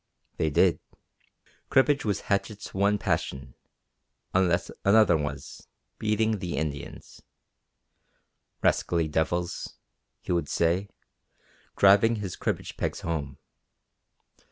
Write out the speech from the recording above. They did. Cribbage was Hatchett's one passion, unless another was beating the Indians. "Rascally devils," he would say, driving his cribbage pegs home.